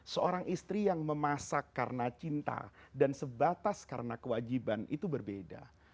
seorang istri yang memasak karena cinta dan sebatas karena kewajiban itu berbeda